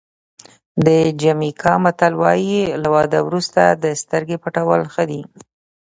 د جمیکا متل وایي له واده وروسته د سترګې پټول ښه دي.